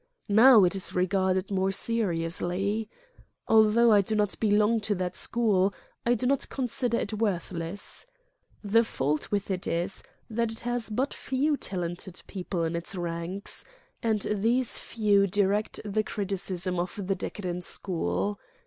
Now it is regarded more seriously. Although I do not belong to that school, I do not consider it worthless. The fault with it is that it has but few talented people in its ranks, and these few direct the criticism of the decadent school.